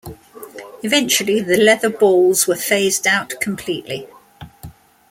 Eventually, the leather balls were phased out completely.